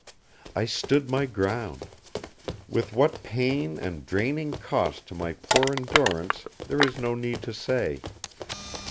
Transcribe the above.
I stood my ground. With what pain and draining cost to my poor endurance there is no need to say.